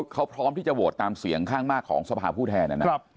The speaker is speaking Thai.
เขาพร้อมที่จะโหวตตามเสียงข้างมากของสภาผู้แทนนะครับ